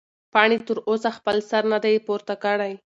پاڼې تر اوسه خپل سر نه دی پورته کړی.